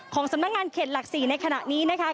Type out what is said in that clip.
สำนักงานเขตหลัก๔ในขณะนี้นะคะ